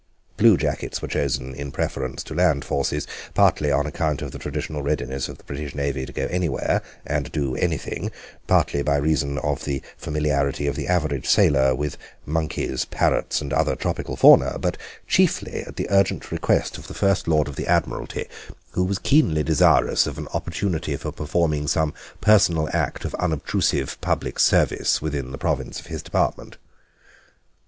Bluejackets were chosen in preference to land forces, partly on account of the traditional readiness of the British Navy to go anywhere and do anything, partly by reason of the familiarity of the average sailor with monkeys, parrots, and other tropical fauna, but chiefly at the urgent request of the First Lord of the Admiralty, who was keenly desirous of an opportunity for performing some personal act of unobtrusive public service within the province of his department.